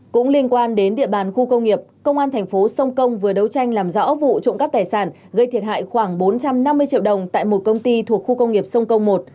cũng liên quan đến địa bàn khu công nghiệp công an thành phố sông công vừa đấu tranh làm rõ vụ trộm cắp tài sản gây thiệt hại khoảng bốn trăm năm mươi triệu đồng tại một công ty thuộc khu công nghiệp sông công một